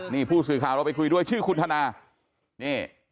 นี่ผู้สื่อข่าวเราไปคุยด้วยชื่อคุณธนานี่